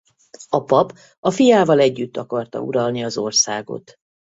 A pap a fiával együtt akarta uralni az országot.